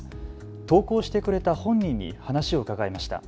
投稿してくれた本人に話を伺いました。